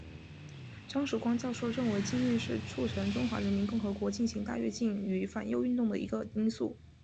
张曙光教授认为禁运是促成中华人民共和国进行大跃进与反右运动的一个因素。